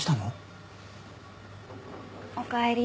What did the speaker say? おかえり。